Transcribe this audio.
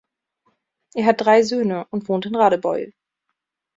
Er hat drei Söhne und wohnt in Radebeul.